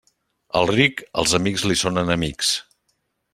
Al ric, els amics li són enemics.